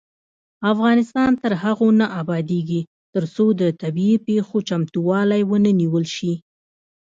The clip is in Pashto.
افغانستان تر هغو نه ابادیږي، ترڅو د طبيعي پیښو چمتووالی ونه نیول شي.